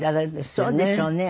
そうでしょうね。